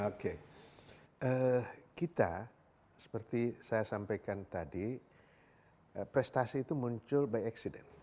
oke kita seperti saya sampaikan tadi prestasi itu muncul by accident